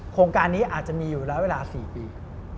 โครงการนี้อาจจะมีอยู่แล้วเวลา๔ปี